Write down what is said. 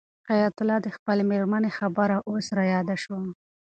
حیات الله ته د خپلې مېرمنې خبره اوس رایاده شوه.